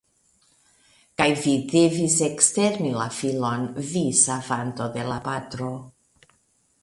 Kaj vi devis ekstermi la filon, vi savanto de la patro!